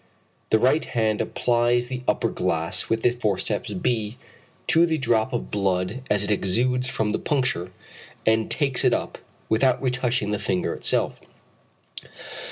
The right hand applies the upper glass with the forceps b to the drop of blood as it exudes from the puncture, and takes it up, without touching the finger itself.